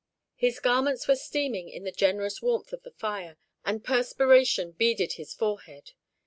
His garments were steaming in the generous warmth of the fire, and perspiration beaded his forehead.